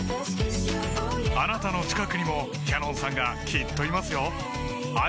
あなたの近くにもＣａｎｏｎさんがきっといますよ